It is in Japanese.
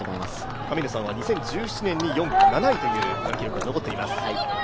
神野さんは２０１７年に４区７位という区間記録が残っています。